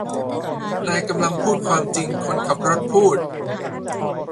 นายฉันกำลังพูดความจริงคนขับรถพูด